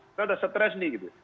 kita udah stress nih